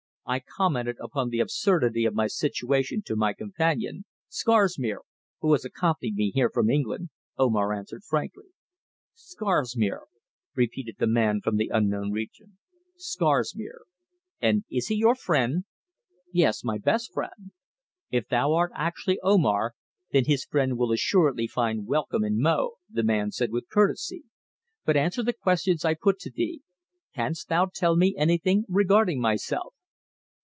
"I commented upon the absurdity of my situation to my companion, Scarsmere, who has accompanied me from England," Omar answered frankly. "Scarsmere," repeated the man from the unknown region. "Scarsmere. And is he your friend?" "Yea, my best friend." "If thou art actually Omar then his friend will assuredly find welcome in Mo," the man said with courtesy. "But answer the questions I put to thee. Canst thou tell me anything regarding myself?"